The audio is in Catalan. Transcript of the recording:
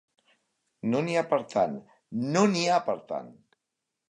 No n'hi ha per tant, no n'hi ha per tant!